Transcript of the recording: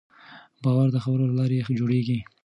باور د خبرو له لارې جوړېږي.